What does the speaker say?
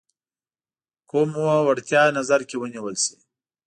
کوم وړتیا نظر کې ونیول شي.